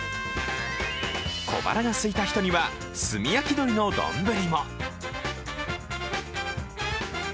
小腹がすいた人には炭焼き鶏の丼も。